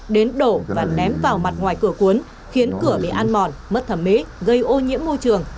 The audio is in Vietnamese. đến đổ và ném vào mặt ngoài cửa cuốn khiến cửa bị an mòn mất thẩm mỹ gây ô nhiễm môi trường